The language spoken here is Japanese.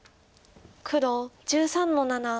黒１３の七ツケ。